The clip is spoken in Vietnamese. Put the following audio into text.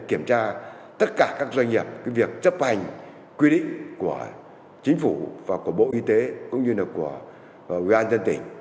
kiểm tra tất cả các doanh nghiệp việc chấp hành quy định của chính phủ và của bộ y tế cũng như là của ubnd